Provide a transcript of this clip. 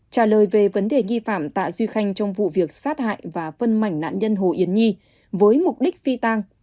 trả lời về vấn đề nghi phạm tạ duy khanh trong vụ việc sát hại và phân mảnh nạn nhân hồ yến nhi với mục đích phi tang